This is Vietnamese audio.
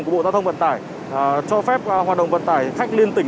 của bộ giao thông vận tải cho phép hoạt động vận tải khách liên tỉnh